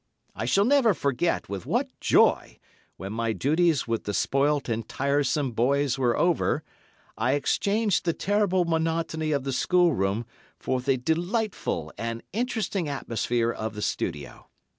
I shall never forget with what joy, when my duties with the spoilt and tiresome boys were over, I exchanged the terrible monotony of the schoolroom for the delightful and interesting atmosphere of the Studio.